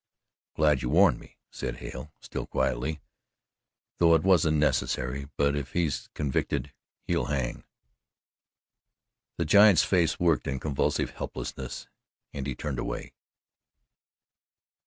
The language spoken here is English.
"I'm glad you warned me," said Hale still quietly, "though it wasn't necessary. But if he's convicted, he'll hang." The giant's face worked in convulsive helplessness and he turned away.